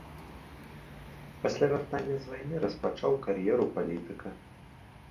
Пасля вяртання з вайны распачаў кар'еру палітыка.